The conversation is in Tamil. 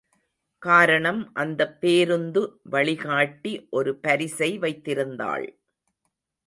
காரணம் அந்தப் பேருந்து வழிகாட்டி ஒரு பரிசை வைத்திருந்தாள்.